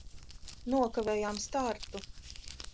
Nokavējām startu!